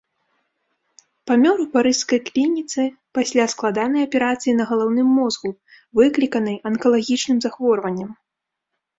Памёр у парыжскай клініцы пасля складанай аперацыі на галаўным мозгу, выкліканай анкалагічным захворваннем.